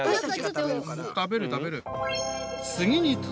食べる食べる。